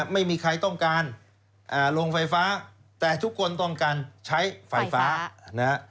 ไม่มีใครต้องการลงไฟฟ้าแต่ทุกคนต้องการใช้ไฟฟ้านะฮะ